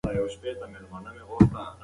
دواړه حکومتونه د سوداګرو امنیت ساتي.